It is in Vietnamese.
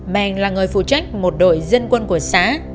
men là người phụ trách một đội dân quân của xã